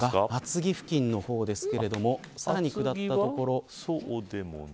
厚木付近ですがさらに下った所。